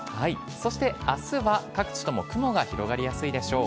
そしてあすは各地とも雲が広がりやすいでしょう。